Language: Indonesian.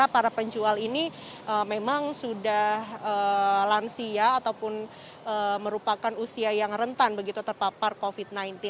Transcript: para penjual ini memang sudah lansia ataupun merupakan usia yang rentan begitu terpapar covid sembilan belas